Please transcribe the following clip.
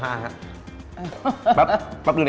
เปลี่ยนมากขึ้นค่ะ